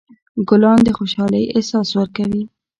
ګلان د خوشحالۍ احساس ورکوي.